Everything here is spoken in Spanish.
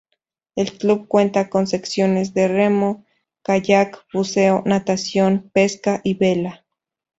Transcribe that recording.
El club cuenta con secciones de Remo, Kayak, Buceo, Natación, Pesca, y Vela.